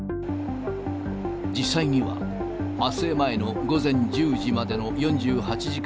実際には、発生前の午前１０時までの４８時間